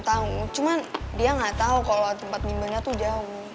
tau cuma dia gak tau kalau tempat pimple nya tuh jauh